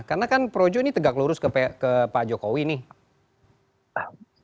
karena kan projo ini tegak lurus ke pak jokowi nih